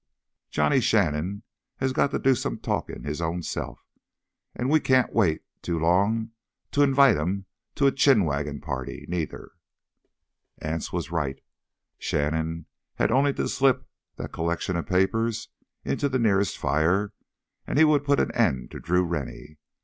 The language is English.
"Johnny Shannon has got to do some talkin' his ownself. An' we can't wait too long to invite him to a chin waggin' party, neither!" Anse was right. Shannon had only to slip that collection of papers into the nearest fire and he would put an end to Drew Rennie.